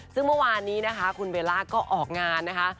ซึ่งเมื่อวานนี้นะคะคุณเบลล่าก็ออกงานนะคะ